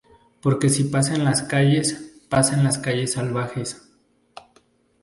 Porque si pasa en las calles, pasa en Calles Salvajes".